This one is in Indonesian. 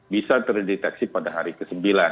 bisa terdeteksi pada hari ke sembilan